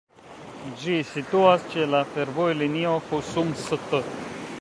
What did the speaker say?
Ĝi situas ĉe la fervojlinio Husum-St.